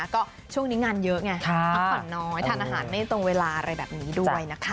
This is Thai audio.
ก็ช่วงนี้งานเยอะไงพักผ่อนน้อยทานอาหารไม่ตรงเวลาอะไรแบบนี้ด้วยนะคะ